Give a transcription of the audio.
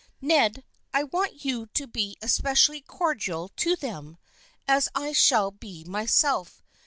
Ned, I want you to be es pecially cordial to them, as I shall be myself.